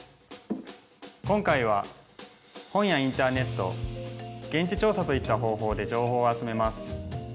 今回は本やインターネット現地調査といった方法で情報を集めます。